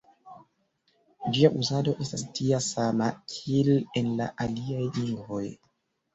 Ĝia uzado estas tia sama, kiel en la aliaj lingvoj.